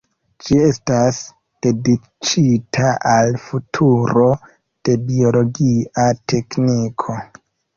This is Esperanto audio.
Ĝi estas dediĉita al futuro de biologia tekniko.